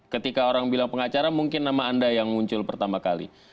ketika orang bilang pengacara mungkin nama anda yang muncul pertama kali